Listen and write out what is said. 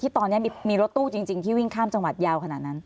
ตอนนี้มีรถตู้จริงที่วิ่งข้ามจังหวัดยาวขนาดนั้น